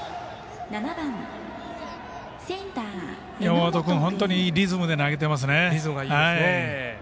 山本君、本当にリズムで投げていますね。